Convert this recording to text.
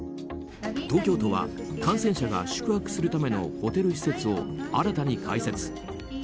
東京都は感染者が宿泊するためのホテル施設を新たに開設。